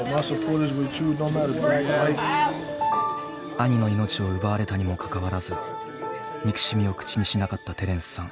兄の命を奪われたにもかかわらず憎しみを口にしなかったテレンスさん。